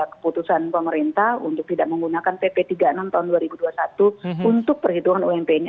keputusan pemerintah untuk tidak menggunakan pp tiga puluh enam tahun dua ribu dua puluh satu untuk perhitungan ump ini